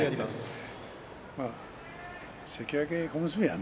関脇小結はね。